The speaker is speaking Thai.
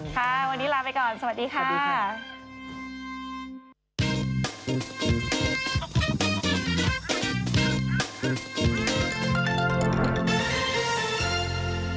โปรดติดตามตอนต่อไป